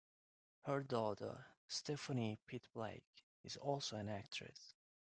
Her daughter, Steffanie Pitt-Blake, is also an actress.